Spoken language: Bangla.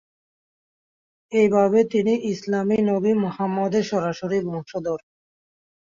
এইভাবে তিনি ইসলামী নবী মুহাম্মদের সরাসরি বংশধর।